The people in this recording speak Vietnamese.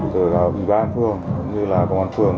từ ủy ban phường cũng như là công an phường